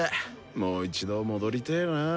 もう一度戻りてえなぁ。